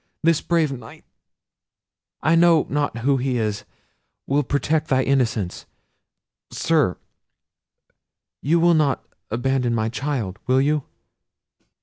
This brave Knight—I know not who he is—will protect thy innocence. Sir, you will not abandon my child, will you?"